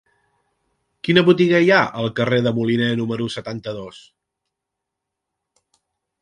Quina botiga hi ha al carrer de Moliné número setanta-dos?